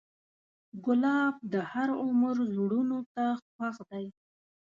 ګلاب د هر عمر زړونو ته خوښ دی.